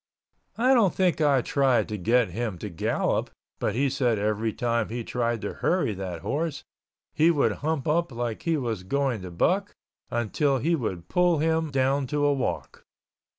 I don't think I tried to get him to gallop but he said every time he tried to hurry that horse he would hump up like he was going to buck until he would pull him down to a walk.